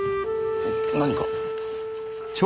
何か？